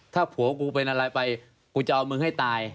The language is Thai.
ถ้าผัวกูเป็นอะไรไปกูจะเอามึงให้ตาย